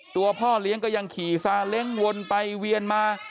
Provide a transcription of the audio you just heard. ตัวพ่อเลี้ยงก็ยังขี่ซาเล้งวนไปเวียนมา